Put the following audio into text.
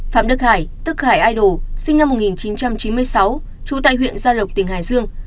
phạm đức hải tức hải ai đồ sinh năm một nghìn chín trăm chín mươi sáu trú tại huyện gia lộc tỉnh hải dương